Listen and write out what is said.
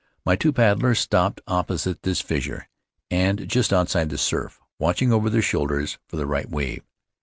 My two paddlers stopped oppo site this fissure and just outside the surf, watching over their shoulders for the right wave.